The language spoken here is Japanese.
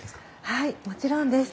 はいもちろんです。